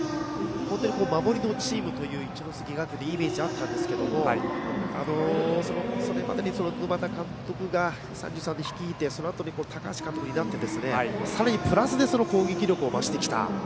本当に守りのチームという一関学院のイメージがあったんですがそれまでに沼田監督が率いて高橋監督になってさらにプラスで攻撃力を増してきた。